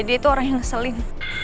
dia itu orang yang seling